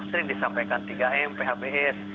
sering disampaikan tiga m phbs